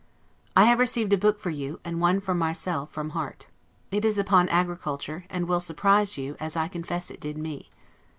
I have received a book for you, and one for myself, from Harte. It is upon agriculture, and will surprise you, as I confess it did me.